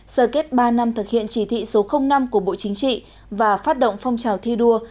sở kết ba năm thực hiện chỉ thị số năm của bộ chính trị và phát động phong trào thi đua